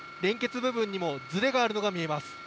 連結部分にもずれがあるのが見えます。